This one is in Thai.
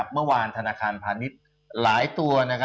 เมื่อวานธนาคารพาณิชย์ละตัว